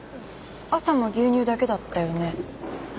朝も牛乳だけだったよね。